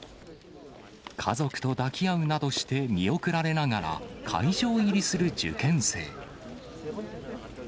家族と抱き合うなどして、見送られながら、会場入りする受験生。